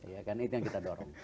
ya kan itu yang kita dorong